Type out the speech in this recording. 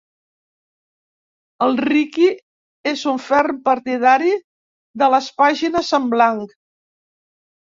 El Riqui és un ferm partidari de les pàgines en blanc.